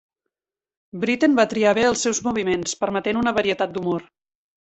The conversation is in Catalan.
Britten va triar bé els seus moviments, permetent una varietat d'humor.